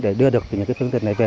để đưa được những phương tiện này về